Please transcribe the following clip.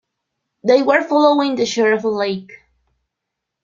They were following the shore of a lake.